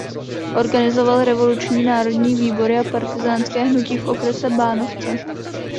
Organizoval revoluční národní výbory a partyzánské hnutí v okrese Bánovce.